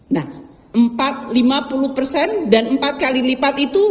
nah empat lima puluh persen dan empat kali lipat itu